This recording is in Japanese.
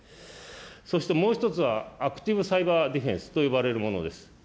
そしてもう一つは、アクティブサイバーディフェンスと呼ばれるものです。